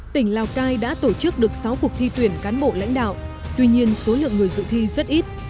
tỉnh lào cai đã tổ chức được sáu cuộc thi tuyển cán bộ lãnh đạo tuy nhiên số lượng người dự thi rất ít